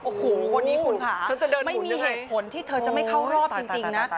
โอ้โหคนนี้คุณค่ะไม่มีเหตุผลที่เธอจะไม่เข้ารอบจริงนะ